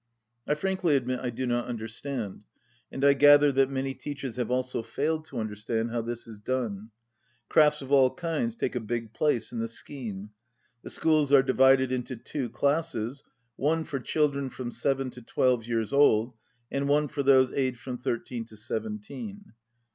I frankly admit I do not understand, and I gather that many teachers have also failed to understand, how this is done. Crafts of all kinds take a big place in the scheme. The schools are divided into two classes — one for children from seven to twelve years old, and one for those aged from thirteen to seventeen.